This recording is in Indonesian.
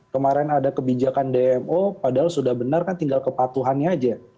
kemarin ada kebijakan dmo padahal sudah benar kan tinggal kepatuhannya aja